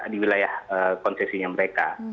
di wilayah konsesinya mereka